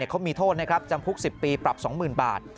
เขามีโทษนะครับจำคุก๑๐ปีปรับ๒๐๐๐บาท